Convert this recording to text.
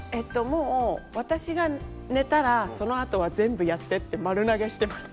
もう私が寝たらそのあとは全部やってって丸投げしてます。